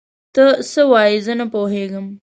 ته څه وايې؟ زه نه پوهيږم.